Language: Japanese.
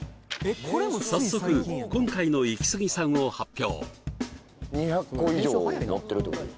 早速今回のイキスギさんを発表